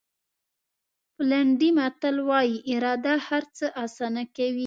پولنډي متل وایي اراده هر څه آسانه کوي.